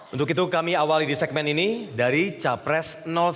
untuk itu kami awali di segmen ini dari capres satu